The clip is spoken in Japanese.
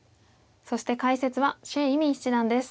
そして解説は謝依旻七段です。